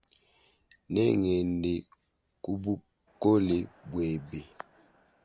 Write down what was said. Nengende kubukole bwebe.